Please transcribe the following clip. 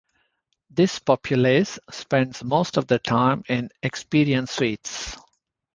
This populace spends most of their time in "experience suits".